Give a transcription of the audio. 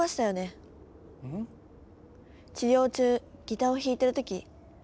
治療中ギターを弾いてる時ロッソさん